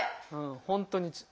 本当に。